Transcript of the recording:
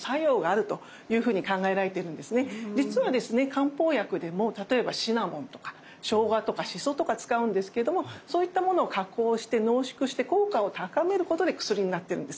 漢方薬でも例えばシナモンとかショウガとかシソとか使うんですけどもそういったものを加工して濃縮して効果を高めることで薬になってるんです。